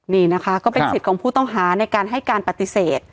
นี่นะคะก็เป็นสิทธิ์ของผู้ต้องหาในการให้การปฏิเสธ